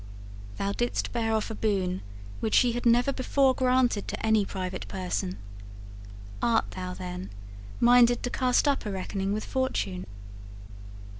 Thou didst bear off a boon which she had never before granted to any private person. Art thou, then, minded to cast up a reckoning with Fortune?